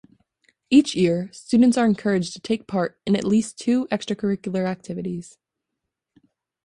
Each year, students are encouraged to take part in at least two extracurricular activities.